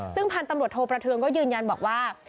ซึ่งพันธุ์ตำรวจโทประเทืองก็ยืนยันบอกว่า